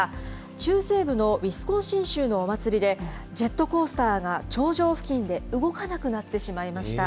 中西部のウィスコンシン州のお祭りで、ジェットコースターが頂上付近で動かなくなってしまいました。